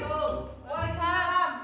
lo lo yang salah ram